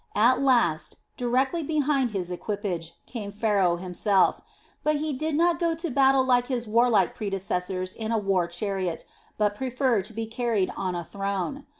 At last, directly behind his equipage, came Pharaoh himself; but he did not go to battle like his warlike predecessors in a war chariot, but preferred to be carried on a throne.